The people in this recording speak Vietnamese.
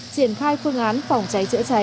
triển khai phương án phòng cháy chữa cháy